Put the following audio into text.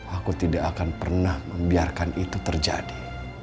aku tidak akan pernah membiarkan itu terjadi